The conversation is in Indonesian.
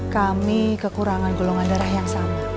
kami kekurangan golongan darah yang sama